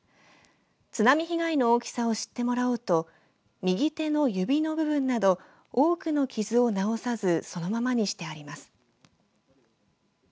津波被害の大きさを知ってもらおうと右手の指の部分など多くの傷を直さずそのままにしてあります。